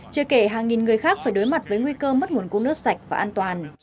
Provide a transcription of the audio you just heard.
chưa kể hàng nghìn người khác phải đối mặt với nguy cơ mất nguồn cung nước sạch và an toàn